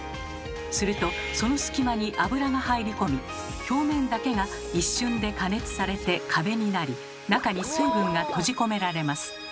するとその隙間に油が入り込み表面だけが一瞬で加熱されて壁になり中に水分が閉じ込められます。